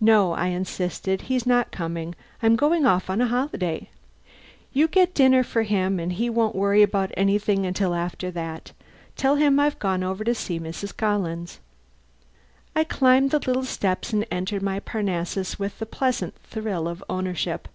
"No," I insisted, "he's not coming. I'm going off on a holiday. You get dinner for him and he won't worry about anything until after that. Tell him I've gone over to see Mrs. Collins." I climbed the little steps and entered my Parnassus with a pleasant thrill of ownership.